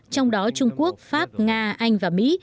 trong đó trung quốc pháp nga anh và mỹ